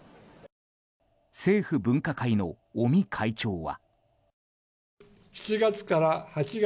政府分科会の尾身会長は。